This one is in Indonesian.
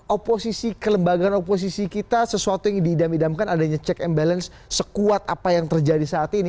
oposisi kelembagaan oposisi kita sesuatu yang diidam idamkan adanya check and balance sekuat apa yang terjadi saat ini